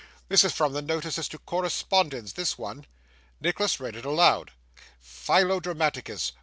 'This is from the notices to correspondents, this one.' Nicholas read it aloud. '"Philo Dramaticus.